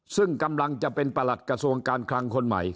ซึ่งกำลังจะเป็นประหลัดกระทรวงการคลังคนใหม่